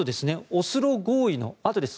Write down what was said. オスロ合意のあとです。